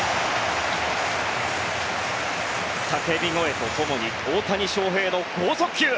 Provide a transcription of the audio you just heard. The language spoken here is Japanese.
叫び声とともに大谷翔平の豪速球。